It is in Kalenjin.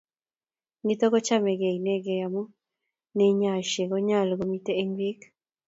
Nitok ko chamegei inegei amu neinyaise konyalu komiet eng piik